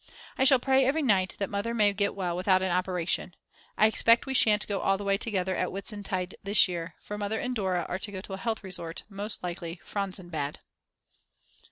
I shall pray every night that Mother may get well without an operation. I expect we shan't all go away together at Whitsuntide this year, for Mother and Dora are to go to a health resort, most likely to Franzensbad.